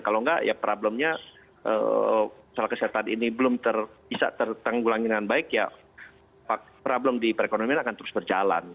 kalau enggak ya problemnya soal kesehatan ini belum bisa tertanggulangi dengan baik ya problem di perekonomian akan terus berjalan